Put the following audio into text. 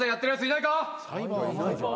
いないか？